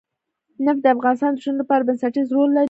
نفت د افغانستان د ټولنې لپاره بنسټيز رول لري.